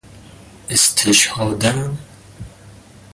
استشهاداً